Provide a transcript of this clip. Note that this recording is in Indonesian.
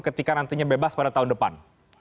ketika nantinya bebas pada tahun depan